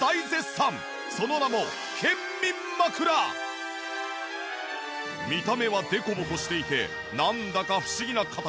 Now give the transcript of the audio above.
その名も見た目はデコボコしていてなんだか不思議な形。